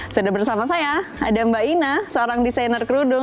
sudah bersama saya ada mbak ina seorang desainer kerudung